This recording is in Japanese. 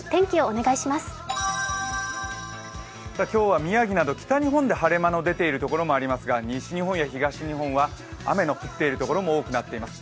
今日は宮城など北日本で晴れ間の出ている所もありますが、西日本や東日本は雨の降っているところも多くなっています。